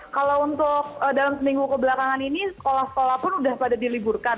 kalau untuk dalam seminggu kebelakangan ini sekolah sekolah pun sudah pada diliburkan